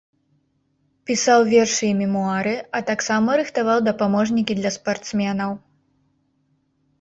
Пісаў вершы і мемуары, а таксама рыхтаваў дапаможнікі для спартсменаў.